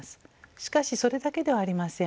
しかしそれだけではありません。